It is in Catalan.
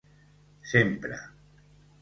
Sempre